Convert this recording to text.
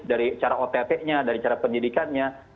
dari cara otp nya dari cara pendidikannya